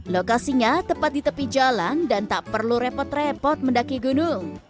lokasinya tepat di tepi jalan dan tak perlu repot repot mendaki gunung